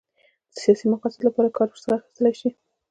د سیاسي مقاصدو لپاره کار ورڅخه اخیستلای شي.